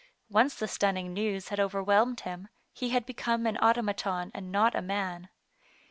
Once the stunning news had overwhelmed him, he had become an autom aton and not a man.